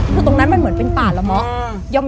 คือตรงนั้นมันเหมือนเป็นป่าละเมาะ